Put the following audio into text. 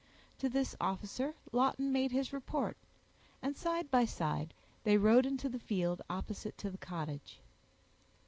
To this officer Lawton made his report, and, side by side, they rode into the field opposite to the cottage.